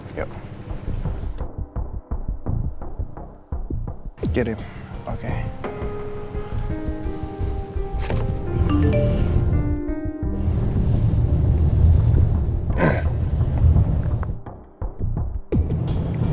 jalan mutiara kabah di nomor sembilan kapeling dua ribu dua ratus dua puluh tiga